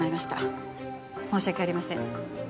申し訳ありません。